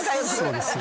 そうです。